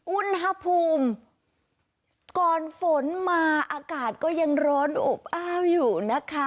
อุณหภูมิก่อนฝนมาอากาศก็ยังร้อนอบอ้าวอยู่นะคะ